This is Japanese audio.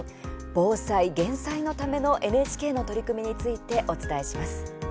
防災減災のためのＮＨＫの取り組みについて、お伝えします。